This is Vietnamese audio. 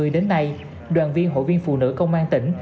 đến nay đoàn viên hội viên phụ nữ công an tỉnh